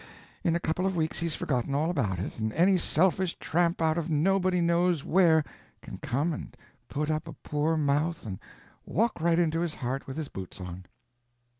in a couple of weeks he's forgotten all about it, and any selfish tramp out of nobody knows where can come and put up a poor mouth and walk right into his heart with his boots on."